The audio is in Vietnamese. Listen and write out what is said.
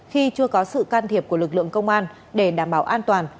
khi chưa có sự can thiệp của lực lượng công an để đảm bảo an toàn